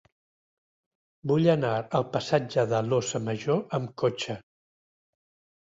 Vull anar al passatge de l'Óssa Major amb cotxe.